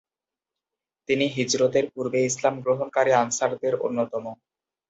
তিনি হিজরতের পূর্বে ইসলাম গ্রহণকারী আনসারদের অন্যতম।